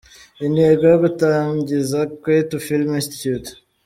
Intego yo gutangiza Kwetu Film Institute.